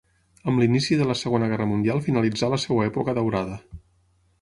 Amb l'inici de la Segona Guerra Mundial finalitzà la seva època daurada.